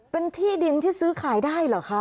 เป็นที่ดินที่ซื้อขายได้เหรอคะ